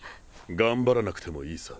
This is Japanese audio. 頑張らなくてもいいさ。